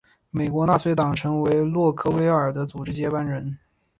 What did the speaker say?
美国纳粹党成为洛克威尔的组织接班人。